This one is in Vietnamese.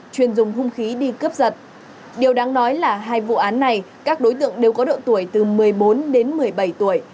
chuyên dùng hung khí đi cướp giật điều đáng nói là hai vụ án này các đối tượng đều có độ tuổi từ một mươi bốn đến một mươi bảy tuổi